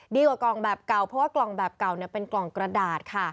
กล่องแบบเก่าเพราะว่ากล่องแบบเก่าเป็นกล่องกระดาษค่ะ